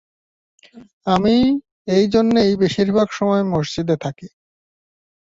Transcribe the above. আমি এই জন্যই বেশির ভাগ সময় মসজিদে থাকি।